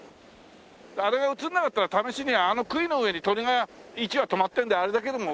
あれが映らなかったら試しにあの杭の上に鳥が１羽止まってるのであれだけでも。